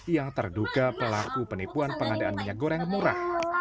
yang terduga pelaku penipuan pengadaan minyak goreng murah